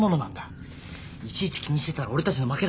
いちいち気にしてたら俺たちの負けだぞ。